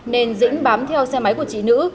nên dĩnh bám theo xe máy của chị nữ